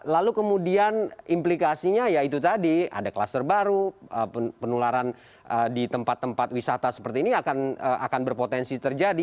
lalu kemudian implikasinya ya itu tadi ada kluster baru penularan di tempat tempat wisata seperti ini akan berpotensi terjadi